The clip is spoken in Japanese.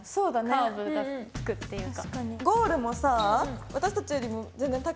カーブがつくっていうか。